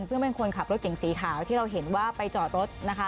ซึ่งเป็นคนขับรถเก่งสีขาวที่เราเห็นว่าไปจอดรถนะคะ